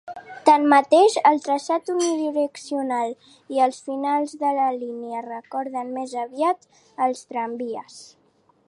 Tanmateix el traçat unidireccional i els finals de línia recorden més aviat els tramvies.